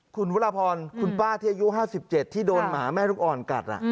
คุณวรพรคุณป้าที่อายุ๕๗ที่โดนหมาแม่ลูกอ่อนกัด